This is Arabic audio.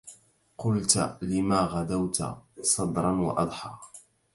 قلت لما غدوت صدرا وأضحى